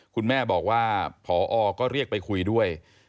คุณแม่บอกว่าพอก็เรียกไปคุยด้วย